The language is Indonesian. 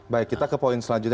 baik kita ke poin selanjutnya